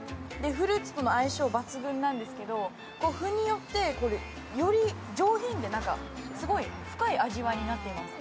フルーツとの相性抜群なんですけどお麩によってより上品ですごい深い味わいになっています。